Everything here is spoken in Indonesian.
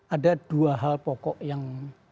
ada dua hal pokok yang